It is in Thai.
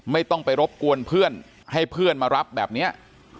ไม่ต้องไปรบกวนเพื่อนให้เพื่อนมารับแบบนี้